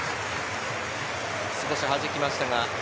少しはじきました。